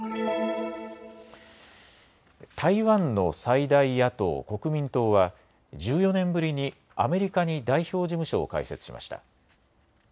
台湾の最大野党・国民党は１４年ぶりにアメリカに代表事務所を開設しました。